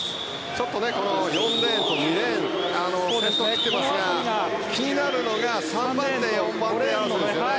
ちょっと４レーンと２レーン先頭に来ていますが気になるのが３番手、４番手争いですよね。